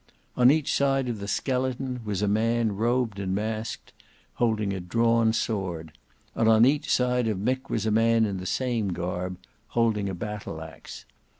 On each side of the skeleton was a man robed and masked, holding a drawn sword; and on each of Mick was a man in the same garb holding a battle axe.